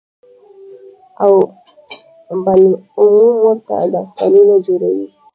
او بالعموم ورته داستانونه جوړوي،